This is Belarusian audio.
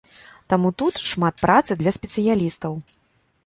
Таму тут шмат працы для спецыялістаў.